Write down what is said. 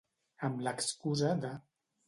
Amb l'excusa de.